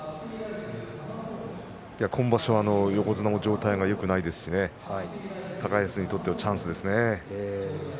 今場所、横綱の状態がよくないですから高安にとってはチャンスです。